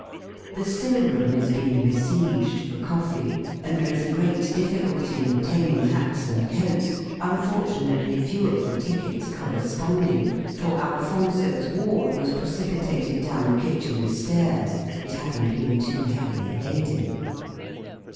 The still room is being besieged for coffee; and there is a great difficulty in obtaining hats and coats unfortunately few of the tickets corresponding, for Alphonso's ward was precipitated down the kitchen stairs, it having been too heavily laden.